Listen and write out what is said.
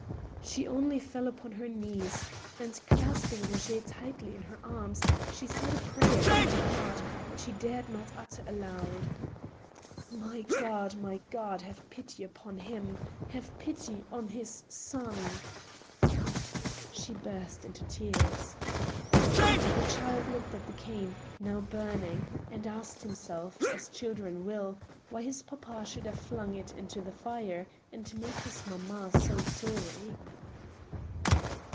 She only fell upon her knees, and, clasping Roger tightly in her arms, she said a prayer in her heart that she dared not utter aloud :" My God ! my God ! Have pity upon him. Have pity on his son !"» She burst into tears. The child looked at the cane, now burning, and asked himself* THE BUTCHER'S SHOP. 69 as children will» why his papa should have flung it into the fire and made his mamma so sorry.